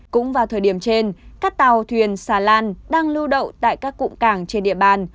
cũng vào thời điểm trên các tàu thuyền xà lan đang lưu đậu tại các cụm cảng trên địa bàn